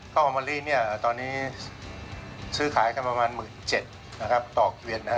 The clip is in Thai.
ข้าวหอมะลิตอนนี้ซื้อขายกันประมาณ๑๗๐๐๐บาทต่อกิเวณ